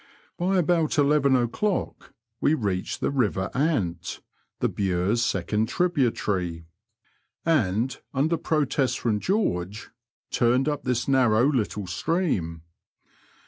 By about eleven o'clock we reached the river Ant — the Bure's second tributary — and, under protest from George, tumed up this narrow little stream.